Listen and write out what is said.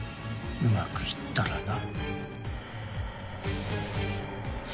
うまくいったらな。